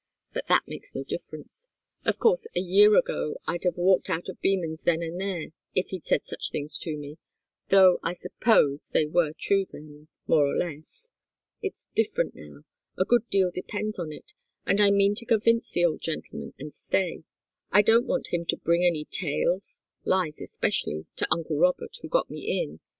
But that makes no difference. Of course, a year ago I'd have walked out of Beman's then and there, if he'd said such things to me, though I suppose they were true then, more or less. It's different now a good deal depends on it, and I mean to convince the old gentleman and stay. I don't want him to bring any tales lies, especially to uncle Robert, who got me in.